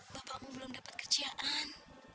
bapakmu belum dapat kerjaan